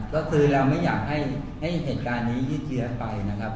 ก็คือเราไม่อยากให้เหตุการณ์นี้ยืดเยื้อไปนะครับ